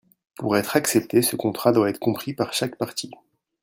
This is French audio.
Pour être accepté, ce contrat doit être compris par chaque partie.